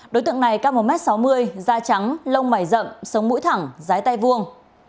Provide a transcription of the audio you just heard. đối tượng này cao một m sáu mươi da trắng lông mải rậm sống mũi thẳng dái tay vuông